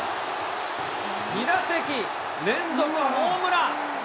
２打席連続ホームラン。